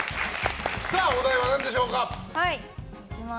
お題は何でしょうか？